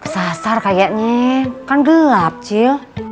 sasar kayaknya kan gelap cil